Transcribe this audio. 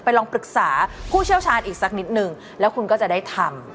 ลองปรึกษาผู้เชี่ยวชาญอีกสักนิดนึงแล้วคุณก็จะได้ทำ